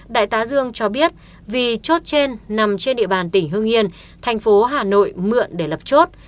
đại tá dương cho biết vì chốt trên nằm trên địa bàn tỉnh hương yên thành phố hà nội mượn để lập chốt